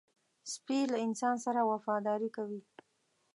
سپي له انسان سره وفاداري کوي.